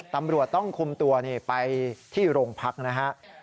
ตำรวจต้องคุมตัวไปที่โรงพักนะฮะ